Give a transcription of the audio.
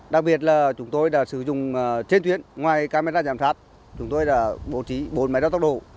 đặc biệt là chúng tôi đã sử dụng trên tuyến ngoài camera giám sát chúng tôi đã bố trí bốn máy đo tốc độ